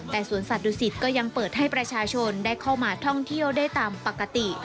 แต่สวนสัตว์ดุสิตก็ยังเปิดให้ประชาชนได้เข้ามาท่องเที่ยวได้ตามปกติ